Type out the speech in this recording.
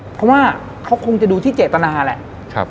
เพราะว่าเขาคงจะดูที่เจตนาแหละ